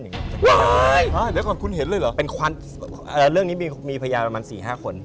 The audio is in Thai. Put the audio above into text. เดี๋ยวก่อนคุณเห็นเลยเหรอเป็นควันเรื่องนี้มีพยานประมาณ๔๕คน